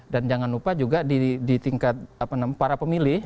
dan jangan lupa juga di tingkat para pemilih